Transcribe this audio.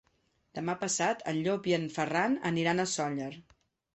Demà passat en Llop i en Ferran aniran a Sóller.